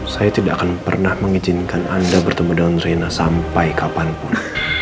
saya tidak akan pernah mengizinkan anda bertemu dengan reina sampai kapanpun